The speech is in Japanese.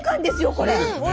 これ。